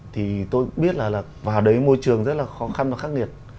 thì tôi biết là vào đấy môi trường rất là khó khăn và khắc nghiệt